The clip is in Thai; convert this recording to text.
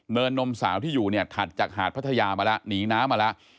นนมสาวที่อยู่เนี่ยถัดจากหาดพัทยามาแล้วหนีน้ำมาแล้ว